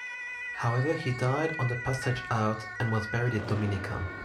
However, he died on the passage out and was buried on Dominica.